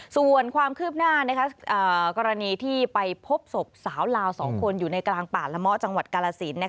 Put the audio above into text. ส่วนความคืบหน้ากรณีที่ไปพบศพสาวลาว๒คนอยู่ในกลางป่าละเมาะจังหวัดกาลสิน